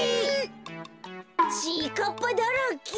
ちぃかっぱだらけ。